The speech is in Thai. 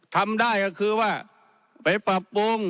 ทำได้ก็คือว่าไปปรับปรุง